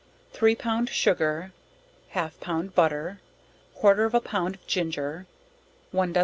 Three pound sugar, half pound butter, quarter of a pound of ginger, one doz.